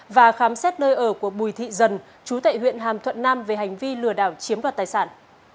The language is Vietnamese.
và khám xét nơi ở của bùi thị dần chú tệ huyện hàm thuận nam về hành vi lừa đảo chiếm đoạt tài sản